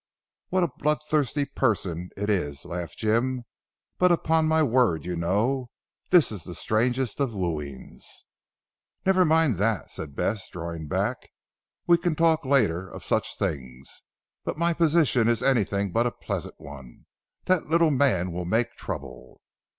"What a blood thirsty person it is," laughed Jim, "but upon my word you know, this is the strangest of wooings." "Never mind that," said Bess drawing back, "we can talk later of such things. But my position is anything but a pleasant one. That little man will make trouble."